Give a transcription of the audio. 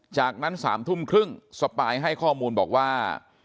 จากนั้น๓ทุ่มครึ่งสปายให้ข้อมูลบอกว่า